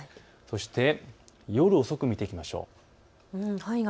そして夜遅くを見ていきましょう。